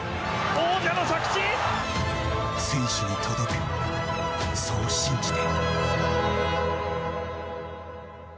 選手に届け、そう信じて。